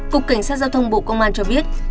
cục cảnh sát giao thông bộ công an cho biết